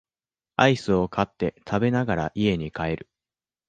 アイスを買って食べながら家に帰る